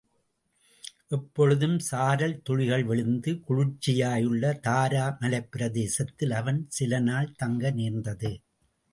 எப்பொழுதும் சாரல் துளிகள் விழுந்து குளிர்ச்சியாயுள்ள தாரா மலைப்பிரதேசத்தில் அவன் சில நாள் தங்க நேர்ந்தது.